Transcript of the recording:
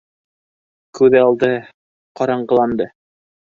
Күҙ алды ҡараңғыланды.